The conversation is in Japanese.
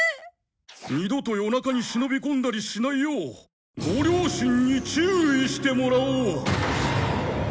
二度と夜中に忍び込んだりしないようご両親に注意してもらおう。